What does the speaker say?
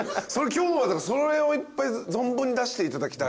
今日はそれをいっぱい存分に出していただきたい。